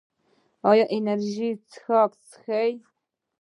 ایا انرژي څښاک څښئ؟